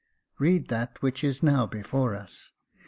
Read that which is now before us.